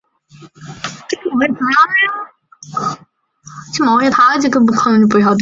中国政府决定由中央人民政府外交部和东北人民政府共同研究接受战俘的具体问题。